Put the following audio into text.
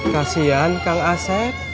kasian kang aset